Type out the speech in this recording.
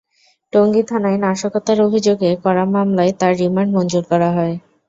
টঙ্গী থানায় নাশকতার অভিযোগে করা মামলায় তাঁর রিমান্ড মঞ্জুর করা হয়।